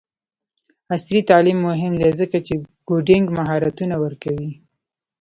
عصري تعلیم مهم دی ځکه چې کوډینګ مهارتونه ورکوي.